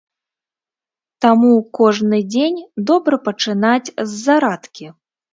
Таму кожны дзень добра пачынаць з зарадкі.